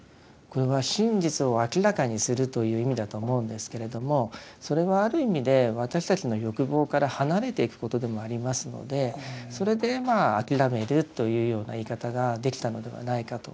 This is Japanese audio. これは真実を明らかにするという意味だと思うんですけれどもそれはある意味で私たちの欲望から離れていくことでもありますのでそれでまあ「諦める」というような言い方ができたのではないかと。